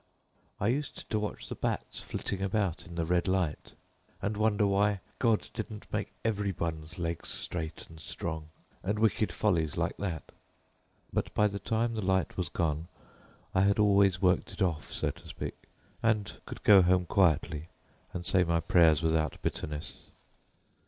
I used to watch the bats flitting about in the red light, and wonder why God didn't make every one's legs straight and strong, and wicked follies like that. But by the time the light was gone I had always worked it off, so to speak, and could go home quietly and say my prayers without any bitterness.